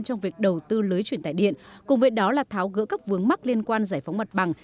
trong việc đầu tư lưới truyền tài điện cùng với đó là tháo gỡ các vướng mắc liên quan giải phóng mặt bằng